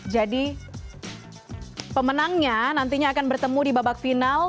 jadi pemenangnya nantinya akan bertemu di babak final